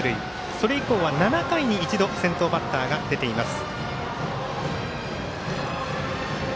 それ以降は７回に１度先頭バッターが出ています。